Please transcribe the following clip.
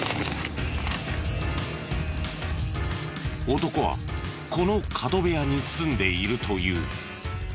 男はこの角部屋に住んでいるという。